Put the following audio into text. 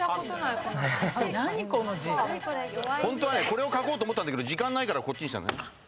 これを書こうと思ったけど時間ないからこっちにしたのね。